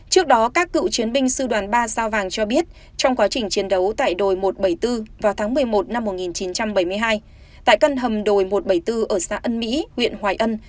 trước đó các cựu chiến binh sư đoàn ba sao vàng cho biết trong quá trình chiến đấu tại đồi một trăm bảy mươi bốn vào tháng một mươi một năm một nghìn chín trăm bảy mươi hai tại căn hầm đồi một trăm bảy mươi bốn ở xã ân mỹ huyện hoài ân